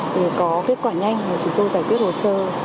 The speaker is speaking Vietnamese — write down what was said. để có kết quả nhanh để chúng tôi giải quyết hồ sơ